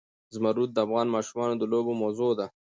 زمرد د افغان ماشومانو د لوبو موضوع ده.